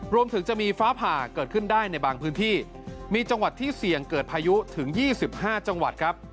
รวมถึงจะมีฟ้าผ่าเกิดขึ้นได้ในบางพื้นที่มีจังหวัดที่เสี่ยงเกิดพายุถึง๒๕จังหวัดครับ